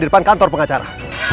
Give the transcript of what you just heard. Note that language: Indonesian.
di depan kantor pengacara